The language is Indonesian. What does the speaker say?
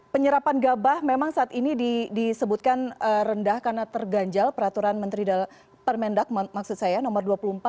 penyerapan gabah memang saat ini disebutkan rendah karena terganjal peraturan menteri dalam permendak maksud saya nomor dua puluh empat